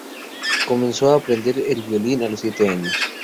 Comenzó a aprender el violín a los siete años.